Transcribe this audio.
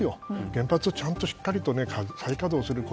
原発をちゃんとしっかり再稼働する。